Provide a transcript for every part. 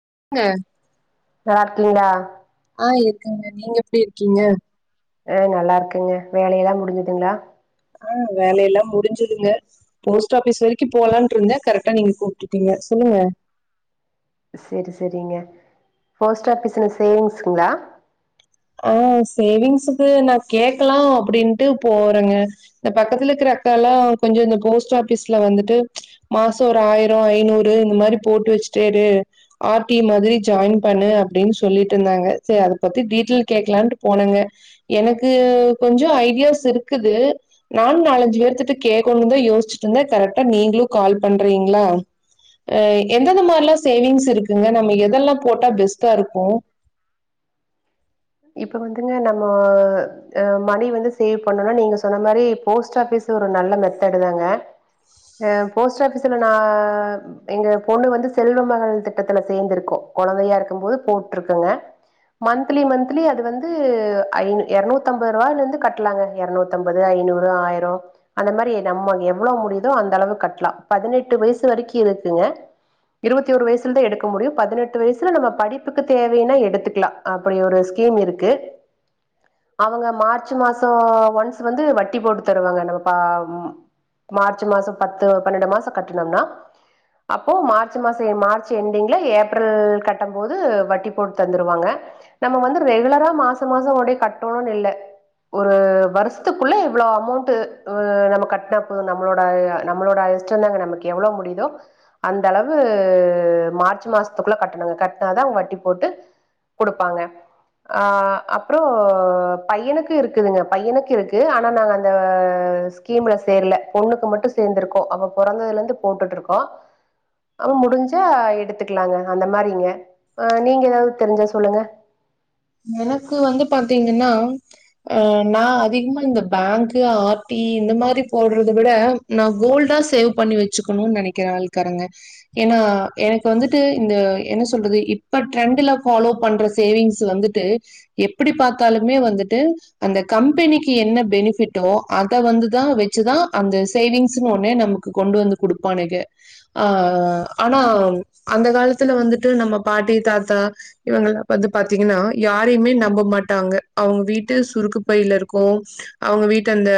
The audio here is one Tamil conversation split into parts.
[unintelligible] நல்லார்கிங்ளா ஆஹ் இருக்கங்க நீங்க எப்டி இருக்கீங்க அஹ் நல்லா இருக்கங்க வேலையெல்லா முடிஞ்சுதுங்ளா ஆஹ் வேலையெல்லா முடிஞ்சிதுங்க போஸ்ட் ஆபிஸ் வரைக்கு போலான்ட்டு இருந்தே கரெக்டா நீங்க கூப்புட்டுட்டீங்க சொல்லுங்க செரி செரிங்க போஸ்ட் ஆபீஸ்ல சேவிங்ஸ்ங்களா ஆஹ் சேவிங்ஸ்க்கு நா கேக்கலா அப்படின்ட்டு போறங்க இந்த பக்கத்துல இருக்ற அக்காலா கொஞ்சொ இந்த போஸ்ட் ஆபீஸ்ல வந்துட்டு மாசம் ஒரு ஆயிரம் ஐநூறு இந்த மாதிரி போட்டு வச்சுட்டே இரு ஆர் டி மாதிரி ஜாயின் பண்ணு அப்டின்னு சொல்லிட்டு இருந்தாங்க சரி அத பத்தி டீடைல் கேக்கலான்ட்டு போனேங்க எனக்கு கொஞ்சொ ஐடியாஸ் இருக்குது நானு நாலஞ்சு பேர்த்துட்ட கேக்கனும்தா யோசிச்சுட்டு இருந்தே கரெக்டா நீங்களும் கால் பண்றீங்களா அஹ் எந்தந்த மாரிலாம் சேவிங்ஸ் இருக்குங்க நம்ம எதெல்லா போட்டா பெஸ்ட்டா இருக்கு இப்போ வந்துங்க நம்ம மணி வந்து சேவ் பண்ணோனா நீங்க சொன்ன மாதிரி போஸ்ட் ஆபீஸ் ஒரு நல்ல மெத்தடு தாங்க போஸ்ட் ஆபீஸ்ல நா எங்க பொண்ணு வந்து செல்வ மகள் திட்டத்துல சேர்ந்திருக்கோம் குழந்தையா இருக்கும் போது போட்ருக்கங்க மந்த்லி மந்த் அது வந்து ஐந எரநூத்தம்பது ரூபாயில இருந்து கட்டலாங்க எரநூத்தம்பது ஐநூறு ஆயிரம் அந்த மாதிரி நம்ம எவ்ளோ முடியுதோ அந்த அளவு கட்டலாம் பதினெட்டு வயசு வரைக்கும் இருக்குங்க இருபத்திரு வயசுலதான் எடுக்க முடியும் பதினெட்டு வயசுல நம்ம படிப்புக்கு தேவைையன்னா எடுத்துக்கலாம் அப்படி ஒரு ஸ்கீ டீம் இருக்கு அவங்க மார்ச் மாசம் ஒன்ஸ் வந்து வட்டி போட்டு தருவாங்க நம் ப மார்ச் மாசம் பத்து பன்னண்டு மாசம் கட்டணும்னா அப்போ மார்ச் மாச மார்ச் எண்டிங்ல ஏப்ரல் கட்டம் போது வட்டி போட்டு தந்துடுவாங்க நம்ம வந்து ரெகுலரா மாச மாசம் கொண்டு கட்டணும்னு இல்லை ஒரு வருஷத்துக்குள்ள எவ்ளோ அமௌண்ட்டு நம்ம கட்னா போதும் நம்மளோட நம்மளோட இஷ்டந்தாங்க நமக்கு எவ்வளோ முடியுதோ அந்த அளவு மார்ச் மாசத்துக்குள்ள கட்டணுங்க கட்னாதான் அவங்க வட்டி போட்டு குடுப்பாங்க அஹ் அப்புறம் பையனுக்கு இருக்குதுங்க பையனுக்கு இருக்கு ஆனா நாங்க அந்த ஸ்கீம்ல சேரல பொண்ணுக்கு மட்டும் சேர்ந்திருக்கோம் அவ பிறந்ததுல இருந்து போட்டுட்டு இருக்கோம் அ முடிஞ்சா எடுத்துக்கலாங்க அந்த மாதிரிங்க அஹ நீங்க ஏதாவது தெரிஞ்சா சொல்லுங்க எனக்கு வந்து பாத்தீங்கன்னா அஹ நான் அதிகமா இந்த பேங்க் ஆர்டி இந்த மாதிரி போடுறத விட நான் கோல்டா சேவ் பண்ணி வச்சுக்கணும்னு நினைக்கிற ஆளுகாரங்க ஏன்னா எனக்கு வந்துட்டு இந்த என்ன சொல்றது இப்ப ட்ரெண்ட்ல ஃபாலோ பண்ற சேவிங்ஸ் வந்துட்டு ட்டு எப்புடி பாத்தாலுமே வந்துட்டு அந்த கம்பெனிக்கு என்ன பெனிஃபிட்டோ அத வந்துதா வச்சுதா அந்த சேவிங்ஸ்னு ஒன்னே நமக்கு கொண்டு வந்து குடுப்பானுக ஆ ஆனா அந்த காலத்துல வந்துட்டு நம்ம பாட்டி தாத்தா இவங்களா வந்து பாத்தீங்கன்னா யாரையுமே நம்ப மாட்டாங்க அவங்க வீட்டு சுருக்கு பைல இருக்கு அவங்க வீட்டு அந்த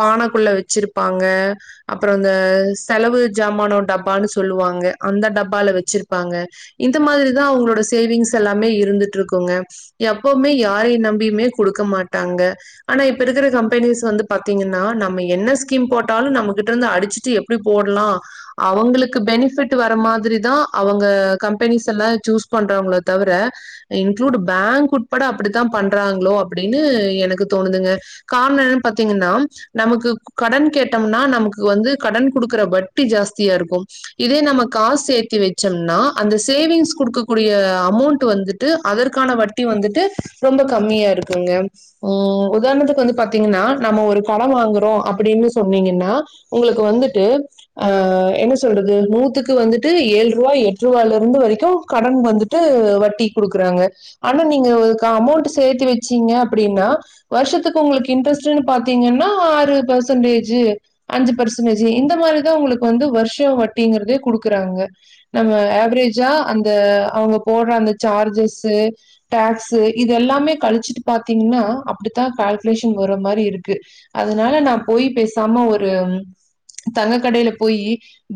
பானக்குள்ள வச்சிருப்பாங்க அப்பறொ அந்த செலவு ஜாமானோ டப்பான்னு சொல்லுவாங்க அந்த டப்பால வச்சிருப்பாங்க இந்த மாதிரிதா அவங்களோட சேவிங்ஸ் எல்லாமே இருந்துட்டு இருக்கும்ங்க எப்பவுமே யாரை நம்பியுமே குடுக்க மாட்டாங்க ஆனா இப்ப இருக்கிற கம்பெனிஸ் வந்து பாத்தீங்கன்னா நம்ம என்ன ஸ்கீம் போட்டாலும் நம்மகிட்ட இருந்து அடிச்சுட்டு எப்படி போடலாம் அவங்களுக்கு பெனிபிட் வர மாதிரிதான் அவங்க கம்பெனிஸ் எல்லாம் சூஸ் பண்றவங்கள தவிர இன்க் பேங்க் உட்பட அப்படித்தா பண்றாங்களோ அப்படின்னு எனக்கு தோணுதுங்க காரணொ என்னனு பாத்தீங்கன்னா நமக்கு கடன் கேட்டோம்னா நமக்கு வந்து கடன் குடுக்கற வட்டி ஜாஸ்தியா இருக்கு இதே நம்ம காசு சேத்தி வச்சோம்னா அந்த சேவிங்ஸ் குடுக்கக்கூடிய அமௌண்ட் வந்துட்டு அதற்கு க்கான வட்டி வந்துட்டு ரொம்ப கம்மியா இருக்குங்க ஹ்ம் உதாரணத்துக்கு வந்து பாத்தீங்கன்னா நம்ம ஒரு கடன் வாங்குறோம் அப்படின்னு சொன்னீங்கன்னா உங்களுக்கு வந்துட்டு ஆஹ் என்ன சொல்றது நூத்துக்கு வந்துட்டு ஏழு ரூபா எட்டு ரூபாலருந்து வரைக்கும் கடன் வந்துட்டு வட்டி குடுக்குறாங்க ஆனா நீங்க அமௌண்ட் சேர்த்தி வச்சீங்க அப்படின்னா வருஷத்துக்கு உங்களுக்கு இன்ட்ரெஸ்ட்ன்னு பாத்தீங்கன்னா ஆறு பர்சன்டேஜ் அஞ்சு பர்சன்டேஜ் இந்த மாதிரிதான் உங்களுக்கு வந்து வருஷம் வட்டிங்கறதே குடுக்குறாங்க நம்ம அவரேஜா அந்த அவங்க போடுற அந்த சார்ஜஸ் து டாக்ஸ்சு இது எல்லாமே கழிச்சிட்டு பாத்தீங்னா அப்படித்தா கால்குலேஷன் வர்ற மாரி இருக்கு அதனால நா போயி பேசாம ஒரு தங்க கடைல போயி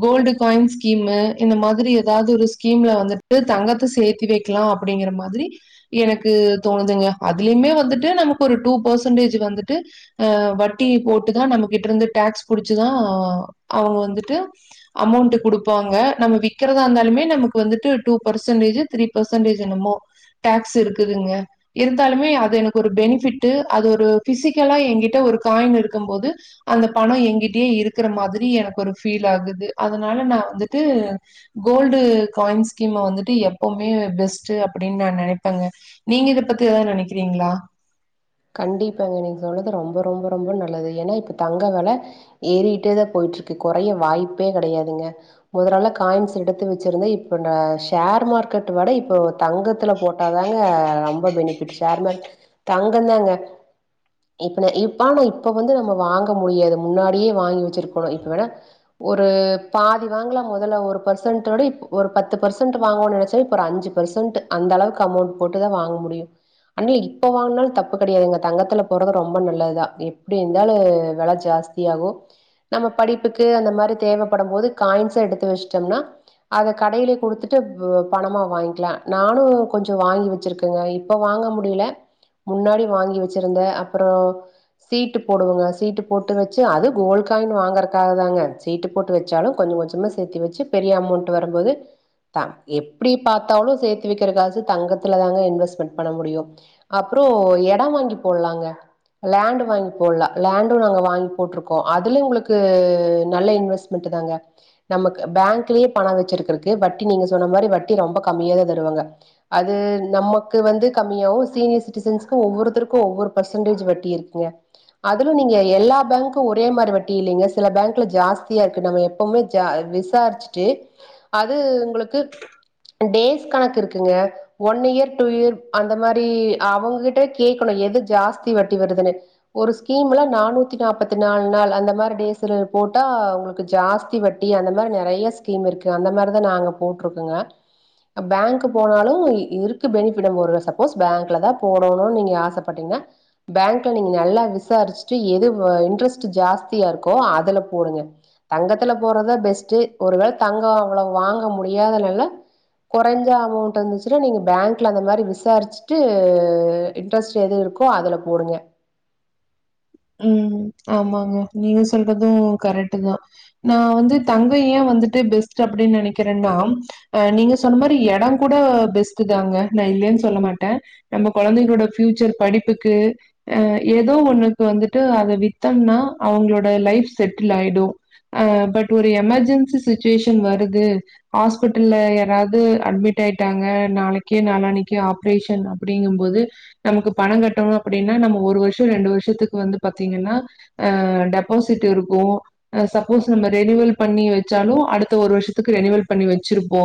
கோல்டு காயின் ஸ்கீமு இந்த மாதிரி எதாவது ஒரு ஸ்கீம்ல வந்துட்டு தங்கத்த சேர்த்தி வைக்கலாம் அப்படிங்கற மாரி அதேமாதிரி எனக்கு தோணுதுங்க அதுலயுமே வந்துட்டு நமக்கு ஒரு டூ பர்சன்டேஜ் வந்துட்டு அஹ வட்டி போட்டுதான் நம்மகிட்ட இருந்து டேக்ஸ் புடிச்சுதான் அவங்க வந்துட்டு அமௌண்ட் கொடுப்பாங்க நம்ம விக்கிறதா இருந்தாலுமே நமக்கு வந்துட்டு டூ பர்சன்டேஜ் த்ரீ பர்சன்டேஜ் என்னமோ டேக்ஸ் இருக்குதுங்க இருந்தாலுமே அது எனக்கு ஒரு பெனிஃபிட்டு அது ஒரு பிசிக்கலா எங்கிட்ட ஒரு காயின் இருக்கம்போது அந்த பணம் எங்கிட்டயே இருக்கற மாதிரி எனக்கு ஒரு ஃபீல் ஆகுது அதனால நா வந்துட்டு கோல்டு காயின் ஸ்கீம வந்துட்டு எப்பவுமே பெஸ்ட் அப்டின்னு நா நெனைப்பேங்க நீங்க இத பத்தி எதாவது நினைக்கிறீங்களா கண்டிப்பாங்க நீங்க சொன்னது ரொம்ப ரொம்ப ரொம்ப நல்லது ஏன்னா இப்ப தங்க வெல ஏறிட்டேதா போயிட்டுருக்கு கொறைய வாய்ப்பே கெடையாதுங்க மொதலலா காயின்ஸ் எடுத்து வச்சிருந்த இப்ப நா ஷேர் மார்க்கெட் வட இப்போ தங்கத்துல போட்டாதாங்க ரொம்ப பெனிஃபிட்டு ஷேர் மார்க்கெட் தங் நெசம் தாங்க இப்ப ந இப்பா இப்ப வந்து வாங்க முடியாது முன்னாடியே வாங்கி வச்சிருக்கணு இப்பவேணா ஒரு பாதி வாங்கலா மொதல்ல ஒரு பர்சன்ட்டோட இ ஒரு பத்து பர்சன்ட் வாங்கனும்னு நெனச்சா இப்ப ஒரு அஞ்சி பர்சன்ட் அந்த அளவுக்கு அமௌண்ட் போட்டு தான் வாங்க முடியும் ஆனா இப்ப வாங்குனாலும் தப்பு கிடையாதுங்க தங்கத்துல போறது ரொம்ப நல்லதுதான் எப்படி இருந்தாலும் விலை ஜாஸ்தியாகும் நம்ம படிப்புக்கு அந்த மாதிரி தேவைப்படம் போது காயின்ஸ்சா எடுத்து வச்சிட்டோம்னா அத கடையிலயே குடுத்துட்டு பணமா வாங்கிக்கலாம் நானும் கொஞ்சம் வாங்கி வச்சிருக்கங்க இப்ப வாங்க முடில முன்னாடி வாங்கி வச்சிருந்த அப்பறம் சீட்டு போடுவங்க சீட்டு போட்டு வச்சு அது கோல் காயின் வாங்கறக்காக தாங்க சீட்டு போட்டு வச்சாலு கொஞ்ச கொஞ்சமா சேத்து வச்சு பெரிய அமௌண்ட் வரும்போது த எப்படி பாத்தாலு சேத்து வைக்கிறக் காசு தங்கத்துல தாங்க இன்வெஸ்ட்மெண்ட் பண்ண முடியு அப் அப்றோ இடம் வாங்கி போடலாங்க லேண்ட் வாங்கி போடுலா லேண்டு நாங்க வாங்கி போட்ருக்கோ அதுல உங்களுக்கு நல்ல இன்வெஸ்ட்மென்டு தாங்க நமக்கு பேங்க்லயே பணம் வச்சிருக்கருக்கு வட்டி நீங்க சொன்ன மாரி வட்டி ரொம்ப கம்மியா தான் தருவாங்க அது நமக்கு வந்து கம்மியாவும் சீனியர் சிட்டிசன்ஸ்க்கு ஒவ்வொருத்தருக்கு ஒவ்வொரு பெர்சன்டேஜ் வட்டி இருக்குங்க அதுல நீங்க எல்லா பேங்க்கும் ஒரே மாரி வட்டி இல்லிங்க சில பேங்க்ல ஜாஸ்தியா இருக்கு நம்ம எப்பவுமே ஜா விசாரிச்சிட்டு அது உங்களுக்கு டேஸ் கணக்கு இருக்குங்க ஒன் இயர் டூ இயர் அந்த மாரி அவங்ககிட்டே கேட்கணும் எது ஜாஸ்தி வட்டி வருதுன்னு ஒரு ஸ்கீம்ல நானூத்தி நாப்பத்தினாலு நாள் அந்த மாதிரி டேஸல போட்டா உங்களுக்கு ஜாஸ்தி வட்டி அந்த மாதிரி நிறைய ஸ்கீம் இருக்கு அந்த மாதிரி தான் நாங்க போட்ருக்கோங்க பேங்க்கு போனாலும் இருக்கு பெனிஃபிட் நம்ம ஒரு சப்போஸ் பேங்க்ல தான் போடோனுனு நீங்க ஆசைப்பட்டீங்கன்னா பேங்க்ல நீங்க நல்லா விசாரிச்சுட்டு எது இன்ட்ரெஸ்ட் ஜாஸ்தியா இருக்கோ அதுல போடுங்க தங்கத்துல போடுறதா பெஸ்ட்டு ஒருவேள தங்கம் அவ்ளோ வாங்க முடியாதனால கொறஞ்ச அமௌண்ட் இருந்துச்சுன்னா நீங்க பேங்க்ல அந்த மாரி விசாரிச்சுட்டு து இன்ட்ரெஸ்ட் எது இருக்கோ அதுல போடுங்க உஹம் ஆமாங்க நீங்க சொல்றதும் கரெக்ட் தான் நான் வந்து தங்க ஏன் வந்துட்டு பெஸ்ட் அப்டின்னு நெனைக்கிறேன்னா அஹ் நீங்க சொன்ன மாரி எடம் கூட பெஸ்ட் தாங்க நான் இல்லேன்னு சொல்ல மாட்டேன் நம்ம குழந்தைகளோட பியூச்சர் படிப்புக்கு அஹ் ஏதோ ஒண்ணு வந்துட்டு அத வித்தம்னா அவங்களோட லைஃப் செட்டில் ஆயிடும் ஆ பட் ஒரு எமர்ஜென்சிச்சுவேஷன் வருது ஹாஸ்பிட்டல்ல யாராது அட்மிட் ஆயிட்டாங்க நாளைக்கு நாலானிக்கு ஆப்ரேஷன் அப்படிங்கும்போது நமக்கு பணம் கட்டணும் அப்படின்னா நம்ம ஒரு வருஷம் ரெண்டு வருஷத்துக்கு இப்ப வந்து பாத்தீங்கன்னா அஹ் டெபாசிட் இருக்கும் சப்போஸ் நம்ம ரெனிவல் பண்ணி வச்சாலும் அடுத்த ஒரு வருஷத்துக்கு ரெனிவல் பண்ணி வச்சிருப்போ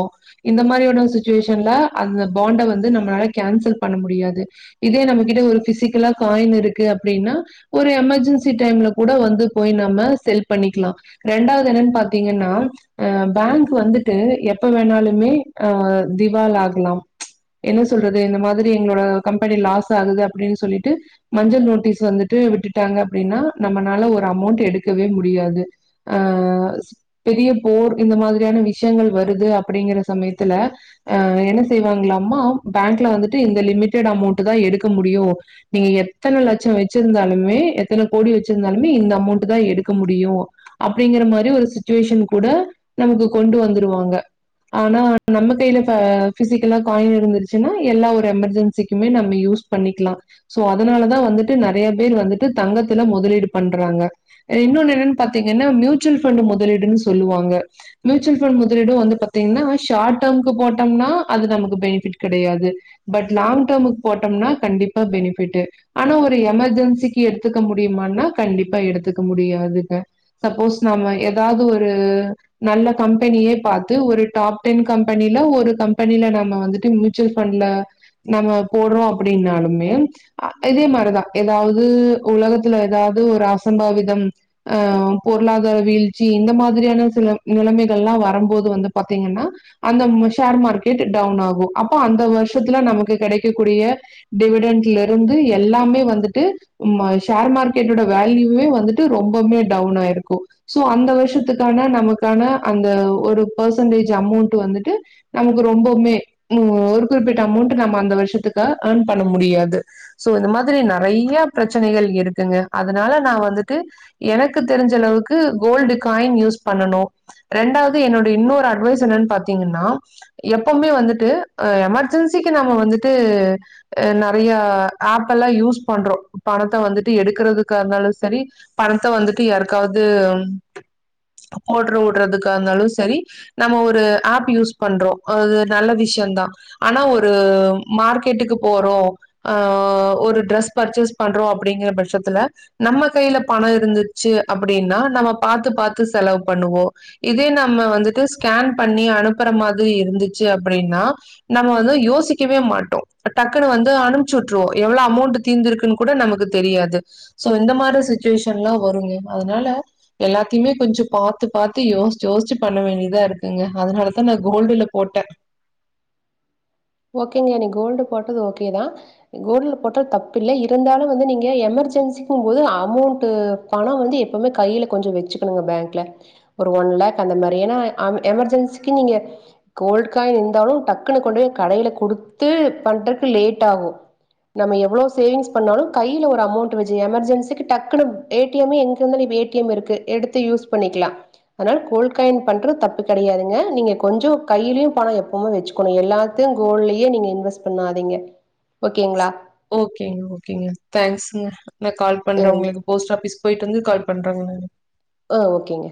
இந்த மாதிரியான சுச்சுவேஷன்ல அந்த பாண்ட வந்து நம்மளால கேன்சல் பண்ண முடியாது இதே நம்மகிட்ட ஒரு பிசிக்கலா காயின் இருக்கு அப்டினா ஒரு எமர்ஜென்சி டைம்ல கூட வந்து போய் நம்ம செல் பண்ணிக்கலா ரெண்டாவது என்னன்னு பாத்தீங்கன்னா அஹ பேங்க் வந்துட்டு எப்ப வேணாலுமே அஹ திவால் ஆகலாம் என்ன சொல்றது இந்த மாதிரி எங்களோட கம்பெனி லாஸ் ஆகுது அப்படின்னு சொல்லிட்டு மஞ்சள் நோட்டீஸ் வந்துட் டு விட்டுட்டாங்க அப்டின்னா நம்மனால ஒரு அமௌண்ட் எடுக்கவே முடியாது அ பெரிய போர் இந்த மாதிரியான விஷயங்கள் வருது அப்படிங்கிற சமயத்துல அ என்ன செய்வாங்களாமா பேங்க்ல வந்துட்டு இந்த லிமிடெட் அமௌண்ட் தா எடுக்க முடியு நீங்க எத்தன லட்சம் வ ச்சிருந்தாலுமே எத்தன கோடி வச்சிருந்தாலுமே இந்த அமௌன்ட் தான் எடுக்க முடியு அப்டிங்கற மாரி ஒரு சுச்சுவேஷன் கூட நமக்கு கொண்டு வந்துருவாங்க ஆனா நம்ம கைல ப பிசிகலா காயின் இருந்துச்சுன்னா எல்லா ஒரு எமர்ஜென்சிக்குமே நம்ம யூஸ் பண்ணிகலா சோ அதனாலதான் வந்துட் நரைய பேரு வந்துட்டு தங்கத்துல முதலீடு பண்றாங்க இன்னொன்னு என்னானு பாத்திங்கனா மியூச்சுவல் ஃபண்ட் முதலீடு ன்னு சொல்லுவாங்க. மியூச்சுவல் ஃபண்ட் முதலீடு வந்து பாத்திங்கனா‌ ஷார்ட் டெர்ம்கு போட்டோம்னா அது நமக்கு பெனிபிட் கிடையாது பட் லாங் டெர்ம்கு போட்டோம்னா கண்டிப்பா பெனிபிட் ஆனா ஒரு எமெர்ஜென்சிக்கு எடுத்துக்க முடியுமா கண்டிப்பா எடுத்துக்க முடியாதுங்க, சப்போஸ் நாம ஏதாவது ஒரு நல்ல கம்பெனியே பாத்து ஒரு டாப் டென் கம்பெனில ஒரு கம்பெனில நம்ம வந்துட்டு மியூச்சுவல் ஃபண்ட்ல நம்ம போடுறோ அப்டின்னாலுமே இதே மாரிதா ஏதாவது உலகத்துல ஏதாவது ஒரு அசம்பாவிதம் அஹ் பொருளாதார வீழ்ச்சி இந்த மாதிரியான சில நிலைமைகள் எலா வரும்போது வந்து பாத்தீங்கன்னா அந்த ஷேர் மார்க்கெட் டவுன் ஆகும் அப்ப அந்த வருஷத்துல நமக்கு கிடைக்கக்கூடிய டிவிடெண்டட்ல இருந்து எல்லாமே வந்து [unintelligible] ஷேர் மார்கெட்டோட வேல்யூமே வந்துட்டு ரொம்போமே டவுன் ஆிருக்கும்கோ சோ அந்த வருஷத்துக்கான நமக்கான அந்த ஒரு பெர்செண்டேஜ் அமௌன்ட் வந்துட்டு நமக்கு ரொம்பவுமே ஒரு குறிப்பிட்ட அமௌண்ட ந அந்த வருசத்துக்கு ஏற்ன் பண்ண முடியாது சோ இந்த மாதிரி நிறைய நறைய பிரச்சனைகள் இருக்குங்க அதனால நா வந்துட்டு எனக்கு தெரிஞ்ச அளவுக்கு கோல்டு காயின் யூஸ் பண்ணனும் ரெண்டாவது என்னோட இன்னொரு அட்வைஸ் என்னன்னு பாத்தீங்கன்னா எப்பவுமே வந்துட்டு எமர்ஜென்சிக்கு நம்ம வந்துட்டு நறைய ஆப் எல்லா யூஸ் பண்றோ பணத்தை வந்துட்டு எடுக்கறதுக்கா இருந்தாலு சரி பணத்தை வந்துட்டு யாருக்காவது போட்டுற விடுறதுக்கா இருந்தாலு சரி நம்ம ஒரு ஆப் யூஸ் பண்றோ அது நல்ல விஷயந்தான் ஆனா ஒரு மார்க்கெட்டுக்கு போறோம் ஹ ஒரு ட்ரஸ் பர்ச்சேஸ் பண்றோம் அப்படிங்கிற பட்சத்துல நம்ம கையில பண இருந்துச்சு அப்படின்னா நம்ம பாத்து பாத்து செலவு பண்ணுவோ இதே நம்ம வந்துட்டு ஸ்கேன் பண்ணி அனுப்புற மாதிரி இருந்துச்சு அப்படின்னா நம்ம வந்து யோசிக்கவே மாட்டோ டக்குன்னு வந்து அனுப்ச்சி விட்டுருவோம் எவ்வளவு அமௌண்ட் தீந்துருக்குன்னு கூட நமக்கு தெரியாது சோ இந்த மாதிரி சுச்சுவேஷன் எல்லா வருங்க அதனால எல்லாத்தையுமே கொஞ்ச பாரத்து பார்த்து யோசிச்சு யோசிச்சு பண்ண வேண்டியதா இருக்குங்க அதனாலதான் நா கோல்டுல போட்டே ஓகேங்க நீ கோல்டு போட்டது ஓகேதா கோல்டுல போட்டது தப்பு இல்ல இருந்தாலு வந்து நீங்க எமர்ஜென்சிக்கும் போது அமௌண்ட் பணம் வந்து எப்பவுமே கையில கொஞ்ச வச்சுக்கணுங்க பேங்க்ல ஒரு ஒன் லேக் அந்த மாதிரி ஏனா எமர்ஜென்சிக்கு நீங்க கோல்டு காய்ன் இருந்தாலு டக்குன்னு கொண்டு போயி கடையில குடுத்து பண்றக்கு லேட் ஆகு, நம்ம எவ்ளோ சேவிங்ஸ் பண்ணாலு கையில பஒரு அமௌன்ட் வச்சு எமர்ஜென்சிக்கு டக்குனு ஏ டி எம் எங்க இருந்தாலு இப்ப ஏ டி எம் இருக்கு எடுத்து யூஸ் பண்ணிக்லா அதனால கோல்ட் காயின் பண்றது தப்பு கெடையாதுங்க நீங்க கொஞ்சோ கையிலயு பணம் எப்பமே வச்சுக்கணு எல்லாத் கோல்ட்லயே நீங்க இன்வெஸ்ட் பண்ணாதீங்க. ஓகேங்களா ஓகேங்க ஓகேங்க தேங்க்ஸ்ங்க. நா கால் அ பண்ற உங்களுக்கு போஸ்ட் ஆபிஸ் போயிட்டு வந்து. கால் பண்றாங்க ஆஹ் ஓகேங்க.